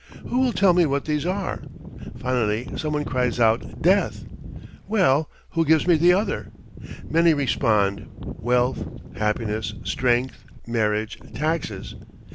Who will tell me what these are?' Finally some one cries out 'Death.' 'Well, who gives me the other?' Many respond wealth, happiness, strength, marriage, taxes.